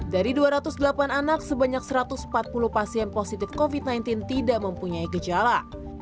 dari dua ratus delapan anak sebanyak satu ratus empat puluh pasien positif covid sembilan belas tidak mempunyai gejala